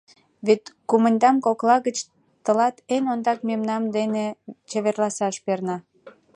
Вет кумыньдам кокла гыч тылат эн ондак мемнан дене чеверласаш перна.